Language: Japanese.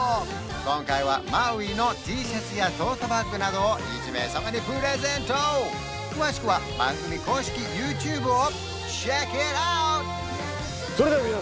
今回はマウイのＴシャツやトートバッグなどを１名様にプレゼント詳しくは番組公式ＹｏｕＴｕｂｅをｃｈｅｃｋｉｔｏｕｔ！